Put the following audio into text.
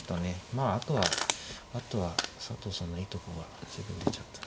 まああとはあとは佐藤さんのいいとこが随分出ちゃった。